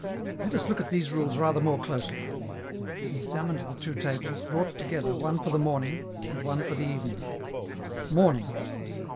Let us look at these rules rather more closely. He examined the two tables, brought together, one for the morning, and one for the evening. Morning.